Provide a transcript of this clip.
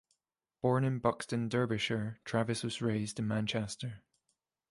Born in Buxton, Derbyshire, Travis was raised in Manchester.